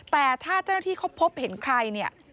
แต่ถ้าเจ้าหน้าที่เขาพบเห็นใครเนี่ย